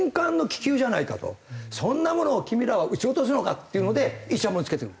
そんなものを君らは撃ち落とすのかっていうのでいちゃもんつけてくる。